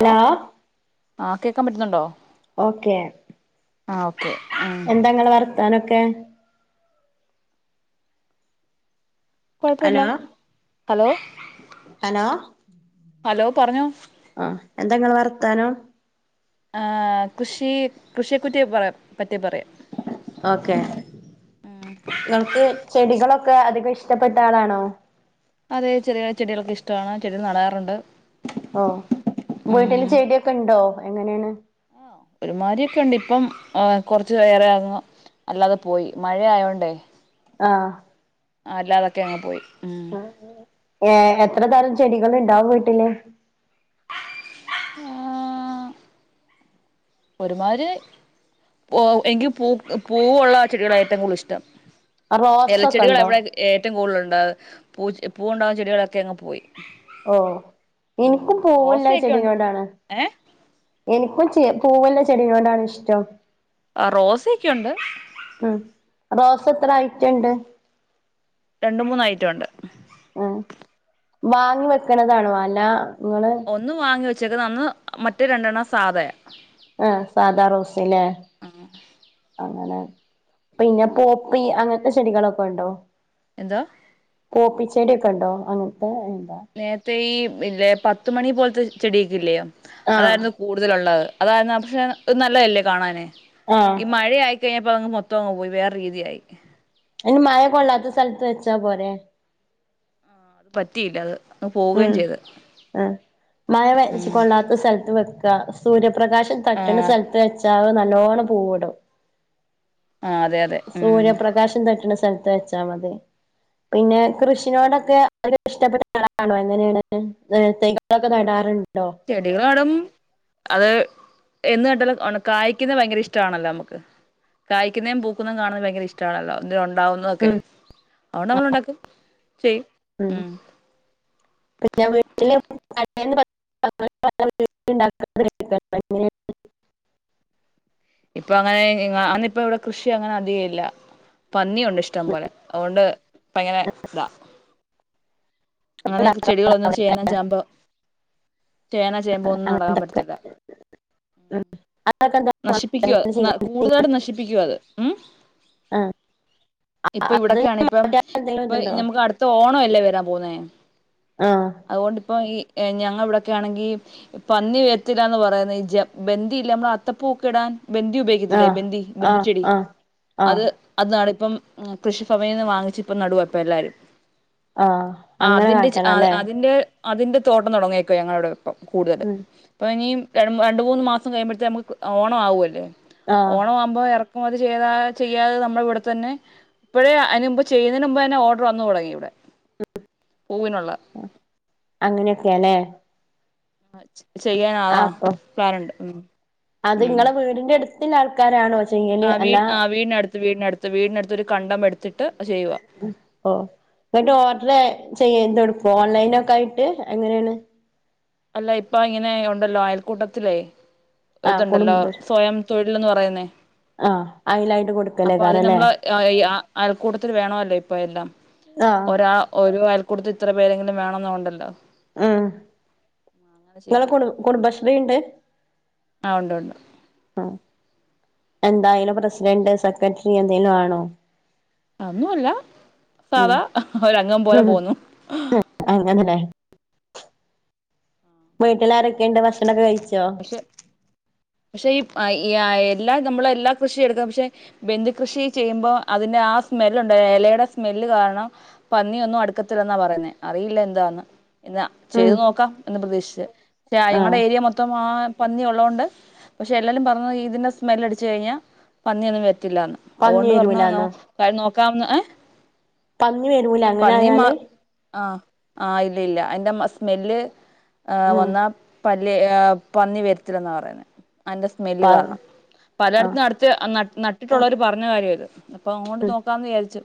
Hello ആ കേൾക്കാൻ പറ്റുന്നുണ്ടോ ഓക്കെ ആ ഓ എന്താ ങ്ങളെ വർത്താനൊക്കെ കുഴപ്പല്ല ഹലോ ഹലോ ഹലോ ഹലോ പറഞ്ഞോ ആ എന്തെങ്ങളെ വർത്താനം ആ കൃഷി കൃഷിയെ കുറ്റി പറയാ പറ്റി പറയാം ഓക്കെ ഉം ങ്ങൾക്ക് ചെടികളൊ അധികം ഇഷ്ടപ്പെട്ട ആളാണോ അതെ ചെറിയ ചെടികൾക്ക് ഇഷ്ടമാണ് ചെടികൾ നടാറുണ്ട് ഓ വീട്ടില് ചെടൊക്കെ ഉണ്ടോ എങ്ങനെയാണ് ആ ഒരുമാരിൊക്കെ ഉണ്ട് ഇപ്പം കൊറച്ച്‌വേറെ അല്ലാതെ പോയി മഴയായോണ്ടേ ആഹ ആ അല്ലാതൊക്കെ അങ്ങ്പോയി ഉ എഎത്ര തരം ചെടികൾ ഉണ്ടാവും വീട്ടില് ആഹ ഒരുമാര് എക്ക് പൂ പൂവുള്ള ചെടികള ഏറ്റവും കൂടുതൽ ഇഷ്ടം റോസൊക്കെ ഇലച്ചെടികൾ ഉണ്ടോ അവിടെ ഏറ്റവും കൂടുതലൽ ഉ ണ്ട്പൂ പൂ ഉണ്ടാവകുന്ന ചെടികളൊക്കെ അങ്ങ് പോയി ഓഹ് ആഹ് എനിക്കും പൂവുണ്ടായ റോസയൊക്കെ ഉണ്ട് ചെടിനോടാണ് ഏഹ് എനിക്കും ചെ പൂവുള്ള ചെടിനോടാണ് ഇഷ്ടം ആഹ് റോസ ഒക്കെയുണ്ട് റോസ എത്ര അയിറ്റണ്ട് രണ്ട് മൂന്നയിറ്റം ഉണ്ട് ആഹ് വാങ്ങി വെക്കണതാണോ അല്ല നിങ്ങള് ഒന്ന് വാങ്ങി വെ ഉച്ചക്ക് തന്നു മറ്റേ രണ്ടെണ്ണം സാധ ആഹ് സാധ റോസിനെ അങ്ങനെ പിന്നെ പോപ്പി അങ്ങനത്തെ ചെടികളൊക്കെണ്ടോ എന്താ പോപ്പിച്ചെടിയോക്കെ ഉണ്ടോ അങ് നേരത്തെ ഈ ഇല്ലെ പത്തുമണി പോലത്തെ ചെടി ഇല്ലിയോ ആഹ് അതായിരുന്നു കൂടുതലുള്ളത് അതായിരുന്നു പക്ഷെ അത് നല്ലതല്ലേ കാണാന് ആഹ് ഈ മഴയ ആയി കഴിഞ്ഞപ്പഅങ്ങ് മൊത്തം അങ്ങ്പോയി വേറെ രീതിയായി അയ്ന് മഴകൊള്ളാത്ത സ്ഥലത്ത് വച്ചാ പോരെ പറ്റിയില്ല അത് അങ്ങ് പോവുകയും ഉം ചെയ്ത് ഉ മഴ വ ഉം കൊള്ളത്തസ്ഥലത്ത് വെ- സൂര്യപ്രകാ- പ്രകാശം ആഹ് തട്ട്ണസ്ഥലത്ത് വെച്ചാൽ അത് നല്ല - നലോണം പുവ് ഇടും ആഹ് അതെ അതെ ഉം സൂര്യപ്രകാശം തട്ട്ണ സ്ഥല- സ്ഥലത്ത് വെച്ചാൽ മതി പിന്നെ- കൃഷിനോടൊക്കെ ഒരു- ഇഷ്ടപ്പെട്ടാണോ എങ്ങനെയാണ് തൈ നടാറുണ്ട് ചെടികളു നടും അത് എന്ന് കേട്ടല്ലോ കായക്കുന്നത് ഭയങ്കര ഇഷ്ടമാണല്ലോ നമ്മുക്ക് കായ്ക്കുന്നതും പൂക്കുന്നതും കാണുന്നത് ഭയങ്കര ഇഷ്ടമാണല്ലോ ഉം ഉണ്ടാവുന്നക്കെ അതുകൊണ്ട് നമ്മള ഉണ്ടാക്കക്ക് ഉം പിന്ന വീട്ടില് [unintelligible] ഇപ്പൊ അങ്ങനെ ങ്ങ അന്ന് ഇപ്പ ഇവിടെ കൃഷി അങ്ങനെ അധിക ഇല്ല പന്നിയുണ്ട് ഇഷ്ടം പോലെ അ ഓണ്ട് ഇപ്പങ്ങനെ താ അങ്ങനെ ചെടികളൊന്നും ചേന ചാമ്പ് ചേന ചേമ്പ് ഒന്നും നടാൻ അങ്ങനത്തൊക്കെ പറ്റത്തില്ല. ഉം അതൊക്കെ എന്താ അങ്ങനെ നശിപ്പിക്കുവാ ചെയ്യുന്നത് കൂടുതലായിട്ടും നശിപ്പിക്കുവാ അത്. ഉം. ആ ഇപ്പൊ അത് ഇവിടോക്കെയാണ് ഇപ്പം എന്തെങ്കിലും ഇപ്പൊ ഇതുണ്ടോ നമുക്ക് അടുത്ത ഓണം അല്ലേ വരാം പോന്നെ. ആ അതുകൊണ്ടിപ്പം ഈ ഞങ്ങ ഇവിടൊക്കെ ആണെങ്കി പന്നി വരത്തില്ലാന്ന് പറയുന്നത് ബന്ധിയില്ല നമ്മള അത്തപ്പൂക്ക ഇടാൻ ബെന്ധി ആ ഉപയോഗിക്കത്തില്ലേ ബെന്ധി ആ ബെന്ധി ചെടി ആ ആ അത് അത് നാണ് ഇപ്പം കൃഷി ഭവനിൽ നിന്ന് വാങ്ങിച് ഇപ്പ നടുവപ്പ എല്ലാരും. ആഹ്. അതിന്റെ അതിന്റെ അതിന്റെ തോട്ടം തുടങ്ങിയേക്കോ ഞങ്ങളോട്. ഇ കൂടുതൽ ഉം അപ്പം ഇനി ര രണ്ട് മൂന്ന് മാസം കഴിയുമ്പോഴത്തേ നമുക്ക് ഓണമാവു അല്ലേ? ആ ഓണം ആവുമ്പോ ഇറ അപ്പ അത് ചെയ്താ ചെയ്യാതെ നമ്മുടെ ഇവിടെ തന്നെ ഇപ്പഴേ അതിന് മുമ്പ് ചെയ്യുന്നതിന് മുമ്പ് തന്നെ ഓർഡർ വന്നു തുടങ്ങി ഇവിടെ. പൂവിനുള്ള അങ്ങനെയൊക്കെയാല്ലേ. [unintelligible] ചെയ്യാൻ ആതാ കാറുണ്ട്. ഉം ഉം അത്ങ്ങളെ വീടിന്റെടു ത്തില്ലാൾക്കാരാണോ ആ വീ ആ വീടിനടുത്ത് വീടിനടുത്ത് വീടിനടുത്ത് ഒരു കണ്ടം എടുത്തിട്ട് ചെയ്യുവാ ഓ ഓൺലൈനൊക്കായിട്ട് എങ്ങനെയാണ് അല്ല ഇപ്പ ഇങ്ങനെ ഒണ്ടല്ലോ അയൽക്കൂട്ടത്തിലേ ആ ഇതുണ്ടല്ലോ കുടുംബ സ്വയം തൊഴി ലിന്ന് പറയുന്നേ ആഹ് അയിലായിട്ട് അപ്പൊ അത് കൊടുക്കലേക്കാരല്ലേ നമ്മള് അഹ് ഇ ആഹ് അയൽക്കൂട്ടത്തില് വേണല്ലോ ഇപ്പൊ എല്ലാം ആഹ് ഒരാ ഓരോ അയൽ കൊടുത്ത് ഇത്ര പേരെങ്കിലും വേണമെന്നും ഒണ്ടല്ലോ ആഹ് ങ്ങെട കുടുംബശ്രീ ഉണ്ട് ആഹ് ഉണ്ട് ഉണ്ട് ഉം എന്തായാലും പ്രസിഡന്റ് സെക്രട്ടറി എന്തേലും ആണോ ഒന്നും അല്ല ഉം സാദാ ഒര അംഗം പോലെ പോന്നു അങ്ങനെല്ലേ വീട്ടിലര് ണ്ട് ഭക്ഷണക്കെ കഴിച്ചോ പക്ഷെ പക്ഷെ ഈ ആ, ഈ എല്ലാ നമ്മള എല്ലാ കൃഷി എടുക്കും പക്ഷെ ബെന്ന്ദി കൃഷി ചെയ്യുമ്പോ അതിന്റെ ആ സ്മെല്ണ്ട് ഇലയുടെ സ്മെല്ല് കാരണം പന്നിയൊന്നും അടുക്കത്തില്ലെന്നാ പറയുന്നേ അറിയില്ല എന്താന്ന് എന്നാ ഉം ചെയ്തു നോക്കാം എന്ന് പ്രതീക്ഷിച്ച് ഞങ്ങളുടെ ആഹ് ഏരിയ മൊത്തം ആ പന്നി ഉള്ളോണ്ട് പക്ഷെ എല്ലാവരും പറഞ്ഞ ഇതിന്റെ സ്മെല് അടിച്ച് കഴിഞ്ഞാൽ പന്നി ഒന്നും വേ തിലാന്ന് പന്നി അതുകൊണ്ട് പറഞ്ഞുകഴിഞ്ഞ വരൂലാന്നോ കാര്യം നോ കാമ എ പന്നി വരൂല അങ്ങനെ ആയല് ആഹ് ആഹ് ഇല്ല ഇല്ല അനെ മെസ്സ് സ്മെല് ആ ഉം വന്നാ പല്ലി ഏ പന്നി വരുത്തില്ലെന്നാ പറയുന്ന അതിന്റെ പ സ്മെല് കാരണം ആഹ് പലയിടത്തും നടത്തി നട്ടിട്ടുള്ളവര് പറഞ്ഞ കാര്യമ ഇത് അപ്പൊ അങ്ങോട്ടു ഉം നോക്കാന്ന് വിചാരിച്ചു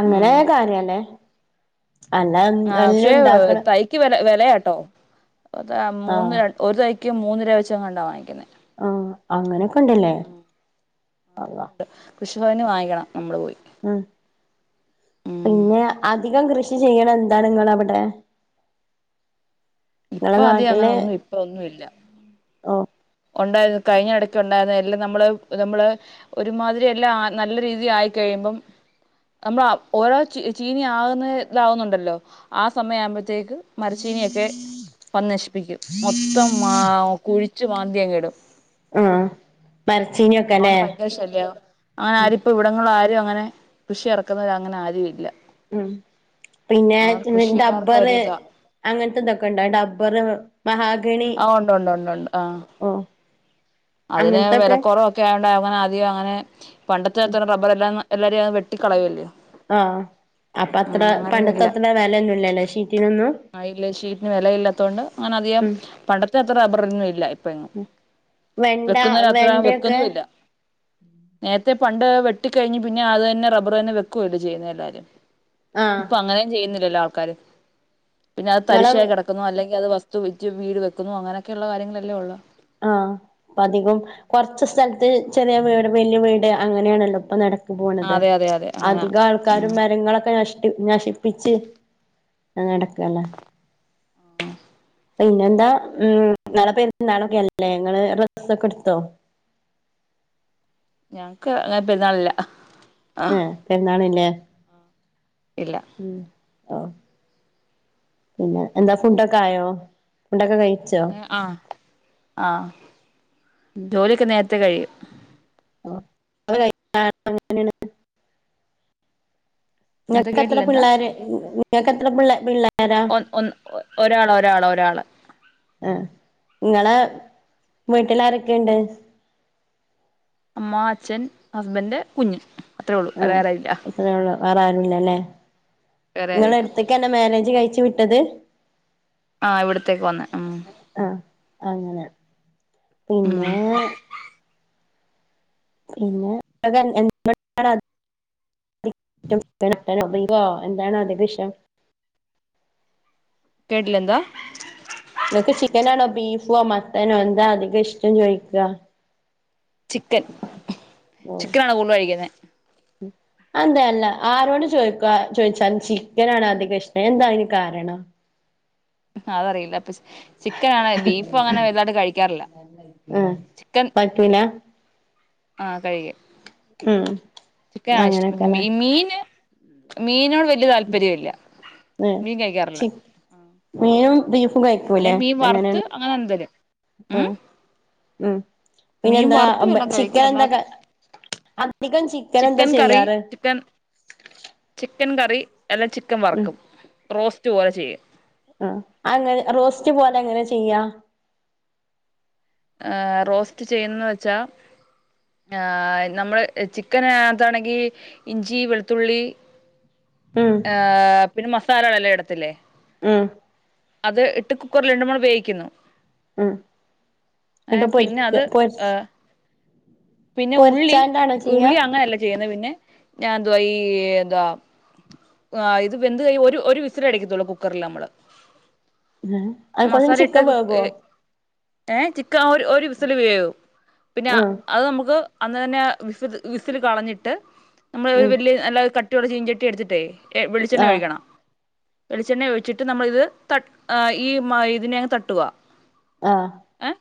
അങ്ങനെ ഉം കാര്യല്ലേ അ ആ പക്ഷേ തൈയ്ക്ക് വേ വേല അട്ടോ അതാ മൂന്ന് ആഹ് രൂപ ഒരു തൈ ഒക്ക് മൂന്നര വെച്ചാങ്ങാണ്ട വിക്കുന്നേ ആ അങ്ങനൊക്കെ ഉണ്ടല്ലേ അള്ള കൃഷിഭവാനിനു വാങ്ങിക്കണം നമ്മൾ പോയി ഉം ഉം പിന്നെ അധികം കൃഷി ചെയ്യണം എന്താണ് ഏതാണെന്നു നോക്കട്ട് ഇപ്പ അധികാം അങ്ങനെ ഒന്നും ഇപ്പ ഒന്നും ഇല്ല ഓ ഉണ്ടായിരുന്നു കഴിഞ്ഞ ഇടക്ക് ഉണ്ടായിരുന്നോ അല്ല നമ്മള് നമ്മള് ഒരുമാതിരി എല്ലാം നല്ല രീതി ആയിക്കഴിയുമ്പം നമ്മൾ ഓരോ ചി ചീനി ആകുന്ന ഇതാവുന്നുണ്ടല്ലോ ആ സമയം ആവുമ്പ മത്തേക്ക് മരച്ചീനിയൊക്കെ വന്ന് നശിപ്പിക്കും മൊത്തം മാ കുഴിച്ച് മതിയാങ് ഇടും ആ അണ്ട് പായകാരശല്യ അങ്ങനെ ആരിപ്പ ഇവിടങ്ങളും ആരു അങ്ങനെ കൃഷി ഇറക്കുന്നർ അങ്ങനെ ആരു ഇല്ല ഉം ആ പിന്നെ കൃഷി എല്ലാവർക്കും ഡബ്ബർ ഒരു ഇതാ അങ്ങനത്തെ എന്തൊക്കെ ഉണ്ട ഡബ്ബർ മഹാ ആഹ് ഉണ്ട് ഉണ്ട് ഉണ്ട് ഉണ്ട് ആഹ് അതിന് അങ്ങനത്തൊക്കെ വിലക്കുറവൊക്കെ ടെ അങ്ങനെ ആദ്യം അങ്ങനെ പണ്ടത്തെ അത്ര റബർ എല്ലാം എല്ലാരും അങ്ങ് ട്ടിക്കളയ്യല്ല്യോ ആഹ് അപ്പൊ ഉ അത്ര അങ്ങനൊന്നും പണ്ടത്തെ ഇല്ല അത്ര വിലയൊന്നും ഇല്ലല്ലേ ഷീറ്റിനൊന്നും ആല്ല ഷീറ്റന് വിലയില്ലാത്തോണ്ട് അങ്ങനെ അധികം ഉം പണ്ടത്തെ അത്ര റബ്ബറന്നും ഇല്ല ഇപ്പ എങ്ങും വെണ്ട വെക്കുന്നര് അത്ര വെണ്ടയൊക്കെ വെക്കുന്നുല്ല നേരത്തെ പണ്ട് വെട്ടി കഴിഞ്ഞു പിന്നെ അത് തന്നെ റബ്ബർ തന്നെ വെക്കൂല്ലേ ചെയ്യുന്ന എല്ലാരും ആഹ് ഇപ്പൊ അങ്ങനേം ചെയ്യുന്ന ഇല്ല ആൾക്കാര് പിന്നെ അത് തരിശായി നിങ്ങളെ കിടക്കുന്നു അല്ലെങ്ക അത് ക്കും വീട് വെക്കുന്നു അങ്ങനൊക്കെയുള്ള കാര്യങ്ങളല്ലേ ഉള്ളൂ ആഹ് അപ്പ അധികം കുറച്ച് സ്ഥല അത് ചെറിയ വീട് വലിയ വീട് അങ്ങനെയാണല്ലോ ഇപ്പം നട പോണത് അതെ അതെ അതെ അങ്ങനാ അധികം ആൾക്കാരും ഉം മരങ്ങളൊക്കെ നഷ്ട നശിപ്പിച്ച് അങ്ങ കടക്കല്ലേ പിന്നെന്താ ഉം നാളെ പെരുന്നാളൊക്കെല്ലേ ല്ലേ ഞങ്ങള് ഡ്രസ്സൊക്കെ എടുത്തോ? ഞങ്ങക്ക് അങ്ങനെ പെരുന്നാളില്ല ആ ആഹ് പെരുന്നാളുംല്ലേ ഉ ഇല്ല ഓ പിന്നെ എന്താ ഫുണ്ടൊക്കെ ആയോ ഫുണ്ടൊക്കെ കഴി ആഹ് ആഹ് ജോലിയൊക്കെ നേരത്തെ കഴിയും [unintelligible] എന്താ നിങ്ങക്ക് എത്ര കേട്ടില്ല പിള്ളേര് നിങ്ങക്ക് എ ക്ക് പിള്ള പിള്ളാ ഒൻഒൻ ഒ ഒരാള് ഒരാള് ഒരാള് ആഹ് നിങ്ങളെ വീട്ടിലാരൊക്കെയുണ്ട് അമ്മ അച്ഛൻ ഹസ്ബൻഡ് കുഞ്ഞ് അത്രേ ഉള്ളൂ മ്ഹ് വേറെ ആരായില്ല അത്ര ഉള്ളൂ വേറെ ആരു ഇല്ലല്ലേ വേറെ നിങ്ങളെ ആരുല്ല അടുത്തേക്ക് എന്നെ മാര്യേജ് കഴിച്ച് വിട്ട ഇത് ആ ഇവിടത്തേക്ക് വന്ന ഉം ആഹ് അങ്ങനെ ഉം പിന്നെ പിന്നെ എന്താണ് അധികം ഇഷ്ടം [unintelligible] കേട്ടില്ലെന്താ നിങ്ങക്ക് ചിക്കനാണോ ബീഫോ മട്ടനോ എന്താ അധികം ഇഷ്ടം ചോയിക്കാ ചിക്കൻ ഓഹ് ചിക്കനാണോ കൂടുതൽ കഴിക്കുന്നേ അതെന്താ അല്ല ആരോട് ചോദിക്കാ ചോദിച്ചാലും ചിക്കനാണ് അധിക ഇഷ്ടം എന്താ അതിന് കാരണം അതറിയില്ല അപ്പ ചിക്കൻ ആണ് ബീഫ് അങ്ങനെ വലുതായിട്ട് കഴിക്കാറില്ല ആഹ് ചിക്കൻ പറ്റൂല ആഹ് കഴിക്കും ഉം ചിക്കനാണ് ഇഷ്ടം അങ്ങനെയൊക്കെല്ലേ മീന് മീനോട് വലിയ താല്പര്യമില്ല മീൻ കഴിക്കാറില്ല മീനും [unintelligible] അല്ലെ കയിക്കൂല്ലേ മീൻ വറുത്ത് എങ്ങനെയാണ് അങ്ങനെ എന്തേലും മ് ഉം മ് മീൻ പിന്നെന്താ വറുത്ത് വല്ലോം ചിക്കൻ കഴിക്കും എന്താക്ക അല്ലാതെ അധികം ചിക്കൻ എന്താ ചെയ്യാറ് ചിക്കൻകറി എല്ലാം ചിക്കൻ ഉം വറക്കും റോസ്റ്റ് ‌റ്റ് പോലെ ചെയ്യും ആ അങ്ങനെ റോസ്റ്റ് പോലെ എങ്ങനെ ചെയ്യാ റോസ്റ്റ് ചെയ്യുന്നത് വെച്ചാ നമ്മള് ചിക്കന് അകത്താണെങ്കിൽ ഇഞ്ചി വെളുത്തുള്ളി ഉം ആഹ് പിന്നെ മസാലകളെല്ലാം ഇടത്തില്ലേ ആം അത് ഇട്ട് കുക്കറിൽ രണ്ട് മൂന്ന്‌ വെ യിക്കുന്നു ഉം ഇട്ട് പിന്നെ അത് പൊരിക്കുക പൊരിച്ച് ഏഹ് പിന്നെ ഉള്ളി ഉള്ളി അങ്ങനെയല്ല ചെയ്യുന്നത് പിന്നെ ഞാ എന്തുവാ ഈ എന്തവാ ആ ഇത് വെന്ത് കഴിയുമ്പോ ഒരു ഒരു വിസിലെ അടിക്കത്തുള്ളൂ കുക്കറിൽ നമ്മള് അതുക്കുള്ളില് ചിക്കൻ വേവുവോ ഏ ചി ഒരു ഒരു വിസൽ വേവും പിന്നെ ഉം അത് നമുക്ക്- അന്ന് തന്നെ വിസ് വിസില് കളഞ്ഞിട്ട്- നമ്മള് ഒരു ഉം വലൃ നല്ല കട് ട്ടിയുള്ളചീഞ്ചട്ടി എടുത്തിട്ടേ- എ വെളിച്ചെണ്ണ ആഹ് ഒഴിക്കണം. വെളിച്ചെണ്ണ ഒഴിച്ചിട്ട് നമ്മളിത് തട് ഈ മ ഇതിനെ തട്ടുക ആ ഏഹ്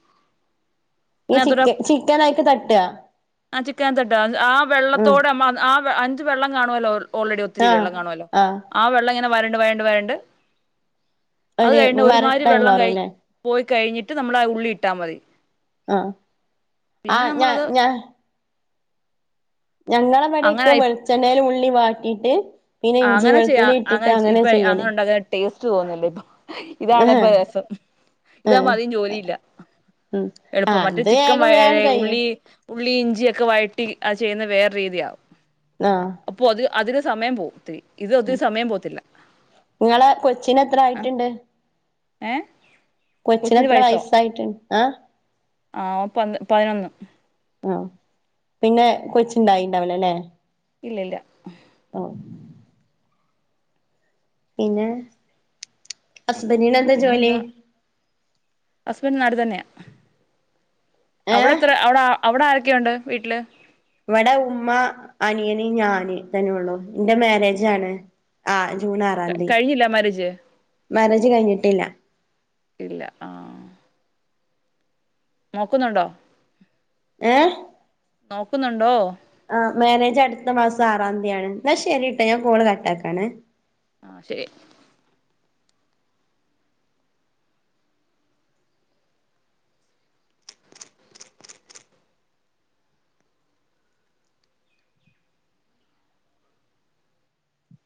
ഈ ഇതിനകത്തൂടെ ചിക്ക് ചിക്കനായിട്ട് തട്ടാ ആ ചിക്കൻ തട്ടാ ആ ഉം വെള്ളത്തോടെ അമ്മ ആ പ്പംഅഞ്ച് വെള്ളം കാണുവല്ലോർ- ഓൾറെഡി ഒത്തിരി വെള്ളം കാണു ആ ങ്ങനെ വരണ്ട് വഴണ്ട് വഴണ്ട് ഒരു വരട്ടായി മാറുംല്ലേ-? പോയി കഴിഞ്ഞിട്ട് നമ്മളാ ആ ഉള്ളി ഇട്ടാ മതി ആ പിന്നെ ആഹ് ഞാ നമ്മളത് ഞാ ഞങ്ങടെ പണിയക്കെ അങ്ങനെ വെളിച്ചെണ്ണയില് ളളളി വാട്ടീട്ട് ആങ്ങനെ ചെയ്യാ അങ്ങെന ഇപ്പെ അങ്ങനെ ഉണ്ടാക്കുന്ന ടേസ്റ്റ് ച്ച് തോന്നല് ഇതാണ് ആഹ് ഇപ്പ രസം ഇതാകുമ്പോ ആഹ് അതികംജോലിയില്ല ഉം എളുപ്പം ആഹ് മറ്റേ അത് ചിക്കൻ വ വേഗം വേഗം കഴിയും ഉള്ളി ഉള്ളി ഇഞ്ചിയ ഒക്കെ വഴറ്റ് ആ ചെയ്യുന്നത് വേറെ രീതിയാകും ആഹ അതിന് സമയം പോവും ഒത്തിരി ഇത് ഒത്തിരി സമയം പോവത്തില്ല നിങ്ങളെ കൊച്ചിന് എത്ര ആയിട്ടുണ്ട് ഏ കൊച്ചിന് എത്ര വയസായിട്ടുണ്ട് ആ ആ പ പതിനൊന്ന് ആ പിന്നെ കൊച്ചുണ്ടായിണ്ടാവുല ല്ലേ ഇല്ല ഇല്ല ആ പിന്നെ ഹസ്ബന്റിന് എന്താ ജോലി നാട്ടി തന്നെയാ അവിടെ ഏഹ് എത്ര അവിട അവിടെ ആരൊക്കെയുണ്ട് വീട്ടില് ഇവിടെ ഉമ്മ അനിയന് ഞാന് ഇ തന്നെഉള്ളു എന്റെ മാരേജ് ആണ് ആ ജൂൺ ആറാം തീ കഴിഞ്ഞില്ല മാരേജ് മാരേജ് കഴിഞ്ഞിട്ടില്ല ഇല്ല ആ നോക്കുന്നുണ്ടോ ഏ നോക്കുന്നുണ്ടോ ആ മാരേജ് അടുത്ത മാസം ആറാം തീയാണ് എന്നാ ശരിയട്ടാ ഞാൻ കോള് കട്ടാക്കാണ് ആ ശരി